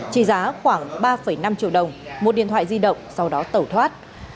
trị giá khoảng ba năm triệu đồng một điện thoại di động sau đó tẩu thoát